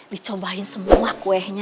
dicobain semua kue nya